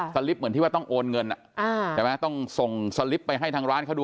ลิปเหมือนที่ว่าต้องโอนเงินใช่ไหมต้องส่งสลิปไปให้ทางร้านเขาดู